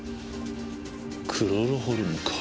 クロロホルムか。